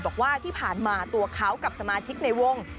บอกว่าที่ผ่านมาตัวเขากับสมาชิกในวง